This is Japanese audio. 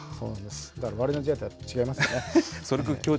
だからわれわれの時代とはやっぱり違いますね。